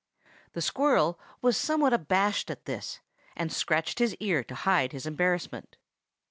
The squirrel was somewhat abashed at this, and scratched his ear to hide his embarrassment.